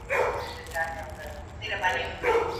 ژوند د مهربانۍ